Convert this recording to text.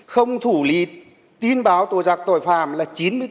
không thủ lý tin báo tố giác tội phạm là chín mươi bốn